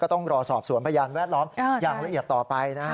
ต้องรอสอบสวนพยานแวดล้อมอย่างละเอียดต่อไปนะฮะ